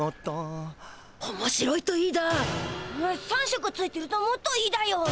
３食ついてるともっといいだよ。